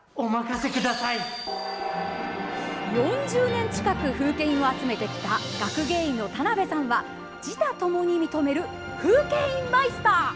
４０年近く風景印を集めてきた学芸員の田辺さんは自他ともに認める風景印マイスター。